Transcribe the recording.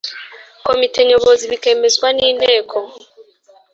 Komite Nyobozi bikemezwa n Inteko